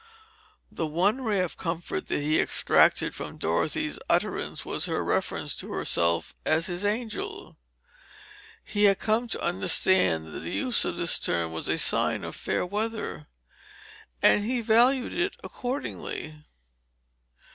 The one ray of comfort that he extracted from Dorothy's utterance was her reference to herself as his angel; he had come to understand that the use of this term was a sign of fair weather, and he valued it accordingly.